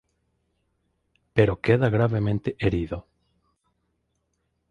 Pero queda gravemente herido.